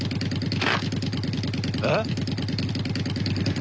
えっ？